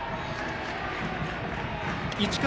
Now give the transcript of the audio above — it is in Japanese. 市川